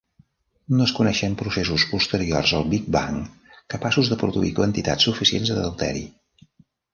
No es coneixen processos posteriors al Big Bang capaços de produir quantitats suficients de deuteri.